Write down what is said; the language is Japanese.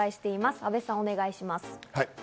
阿部さん、お願いします。